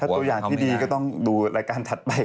ตัวอย่างที่ดีก็ต้องดูรายการถัดไป